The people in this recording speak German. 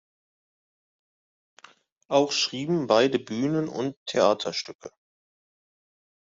Auch schrieben beide Bühnen- und Theaterstücke.